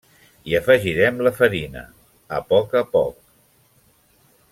Hi afegirem la farina, a poc a poc.